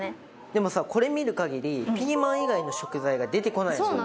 でもさこれ見る限りピーマン以外の食材が出てこないんですよ。